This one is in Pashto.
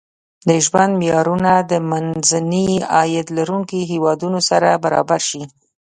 د ژوند معیارونه د منځني عاید لرونکو هېوادونو سره برابر شي.